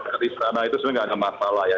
ke istana itu sebenarnya nggak ada masalah ya